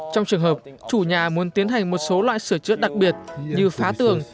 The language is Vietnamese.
trong trường hợp chủ nhà muốn tiến hành một số loại sửa chữa đặc biệt như phá tường